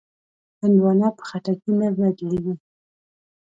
هندوانه په خټکي نه بدلېږي.